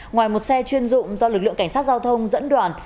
ngoài một xe chuyên dụng do lực lượng cảnh sát giao thông dẫn đoàn